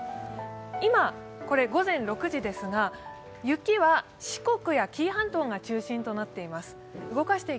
今、午前６時ですが、雪は四国や紀伊半島が中心となっています。